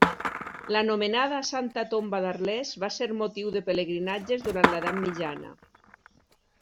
L'anomenada Santa Tomba d'Arles va ser motiu de pelegrinatges durant l'Edat Mitjana.